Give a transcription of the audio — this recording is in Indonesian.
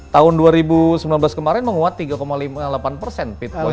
tahun dua ribu sembilan belas kemarin menguat tiga lima puluh delapan persen bitcoin